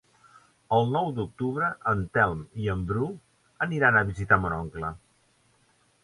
El nou d'octubre en Telm i en Bru aniran a visitar mon oncle.